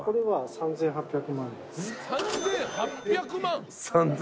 ３，８００万。